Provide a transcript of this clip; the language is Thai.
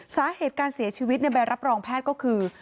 สาเหตุการเสียชีวิตในใบรับรองแพทย์ก็คือ